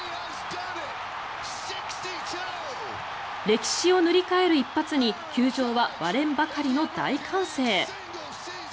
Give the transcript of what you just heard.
歴史を塗り替える一発に球場は割れんばかりの大歓声。